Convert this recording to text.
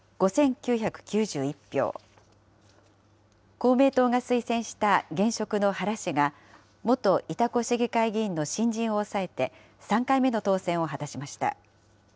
公明党が推薦した現職の原氏が、元潮来市議会議員の新人を抑えて、３回目の当選を果たしました。